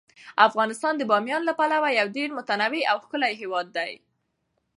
افغانستان د بامیان له پلوه یو ډیر متنوع او ښکلی هیواد دی.